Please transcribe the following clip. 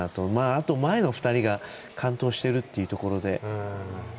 あと、前の２人が完登しているってところで。